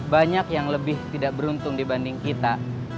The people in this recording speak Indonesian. banyak yang lebih tidak beruntung dibanding kita